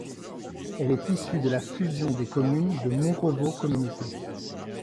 Elle est issue de la fusion des communes de Montrevault Communauté.